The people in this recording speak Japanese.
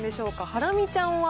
ハラミちゃんは？